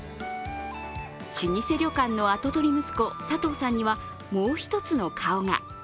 老舗旅館の跡取り息子、佐藤さんにはもう１つの顔が。